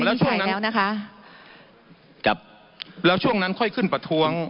แล้วช่วงนั้นแล้วช่วงนั้นค่อยขึ้นประทวง